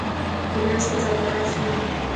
جناح اسپتال ڪراچي ۾ هي.